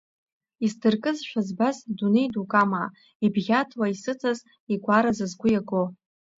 Исдыркызшәа збаз дунеи дук амаа, ибӷьаҭуа исыҵаз, игәараз згәы иаго.